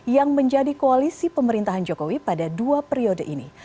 yang menjadi koalisi pemerintahan jokowi pada dua periode ini